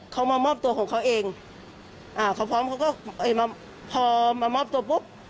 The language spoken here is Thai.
เขามามอบตัวของเขาเองพอมามอบตัวปุ๊บ